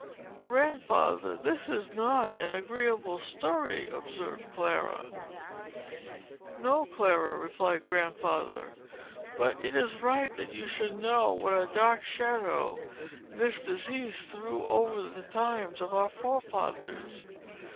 "Grandfather, this is not an agreeable story," observed Clara. "No, Clara," replied Grandfather. "But it is right that you should know what a dark shadow this disease threw over the times of our forefathers.